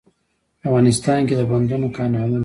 افغانستان کې د بندونو، کانالونو.